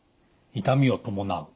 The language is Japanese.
痛みを伴う。